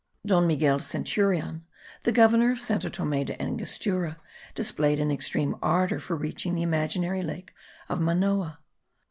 Don Manuel Centurion, the governor of Santo Thome del Angostura, displayed an extreme ardour for reaching the imaginary lake of Manoa.